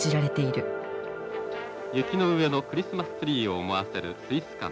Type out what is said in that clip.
「雪の上のクリスマスツリーを思わせるスイス館。